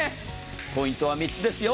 ポイントは３つですよ。